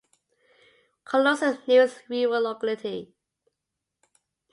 Kolos is the nearest rural locality.